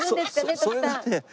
徳さん。